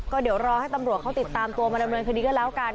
ก็เดี๋ยวรอให้ตำรวจเขาติดตามตัวมาดำเนินคดีก็แล้วกัน